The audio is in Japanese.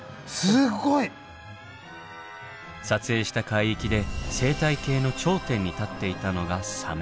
すごい！撮影した海域で生態系の頂点に立っていたのがサメ。